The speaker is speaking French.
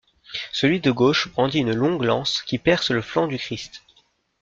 Celui de gauche brandit une longue lance qui perce le flanc du Christ.